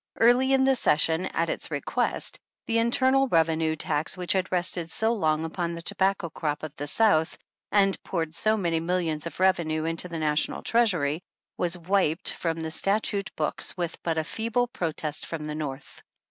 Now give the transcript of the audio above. Early in the session, at its request, the internal revenue tax which had rested so long upon the tobacco crop of the South, and poured so many millions of revenue into the national treasury, was wiped from the statute books with but a feeble protest from the North.